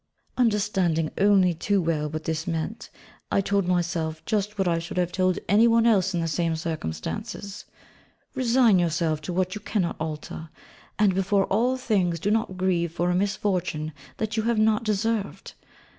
Understanding only too well what this meant, I told myself just what I should have told any one else in the same circumstances: Resign yourself to what you cannot alter, and before all things do not grieve for a misfortune that you have not deserved.